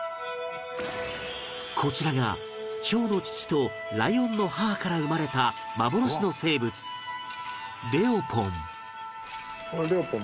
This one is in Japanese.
こちらがヒョウの父とライオンの母から生まれた幻の生物レオポン